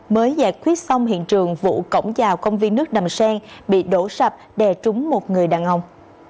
mới giải quyết xong hiện trường vụ cổng trào công viên nước đầm sen bị đổ sập đè trúng một người đàn ông